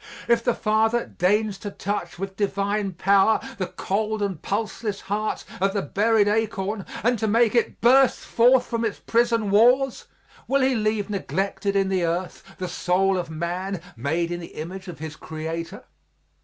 If the Father deigns to touch with divine power the cold and pulseless heart of the buried acorn and to make it burst forth from its prison walls, will he leave neglected in the earth the soul of man, made in the image of his Creator?